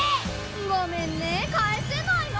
ごめんねかえせないの。